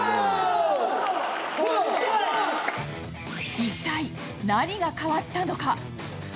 一体何が変わったのか？